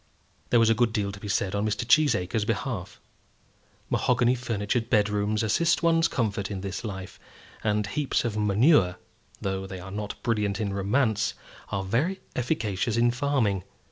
There was a good deal to be said on Mr. Cheesacre's behalf. Mahogany furnitured bedrooms assist one's comfort in this life; and heaps of manure, though they are not brilliant in romance, are very efficacious in farming.